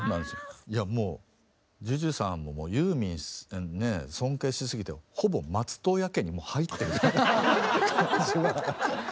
いやもうＪＵＪＵさんももうユーミンね尊敬しすぎてほぼ松任谷家にもう入ってる感じは。